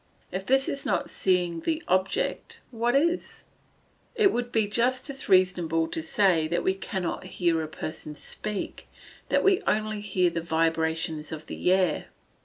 If this is not seeing the object what is? It would be just as reasonable to say, that we cannot hear a person speak that we only hear the vibrations of the air.